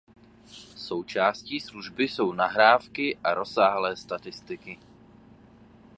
Součástí služby jsou nahrávky a rozsáhlé statistiky.